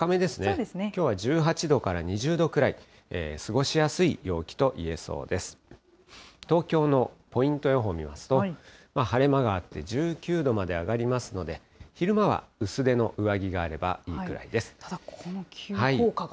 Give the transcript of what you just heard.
東京のポイント予報を見ますと、晴れ間があって、１９度まで上がりますので、昼間は薄手の上着があればいいくらいです。